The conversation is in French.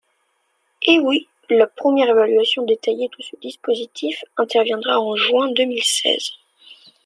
Eh oui ! La première évaluation détaillée de ce dispositif interviendra en juin deux mille seize.